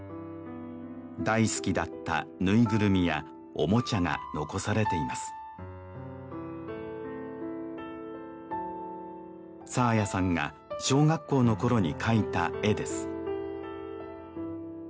大好きだったぬいぐるみやオモチャが残されています爽彩さんが小学校の頃に描いた絵です